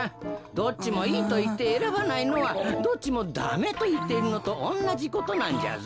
どっちもいいといってえらばないのはどっちもダメといっているのとおんなじことなんじゃぞ。